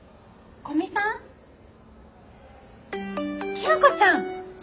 清子ちゃん！